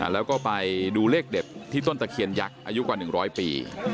แล้วก็ไปดูเลขเด็ดที่ต้นตะเคียนยักษ์อายุกว่า๑๐๐ปี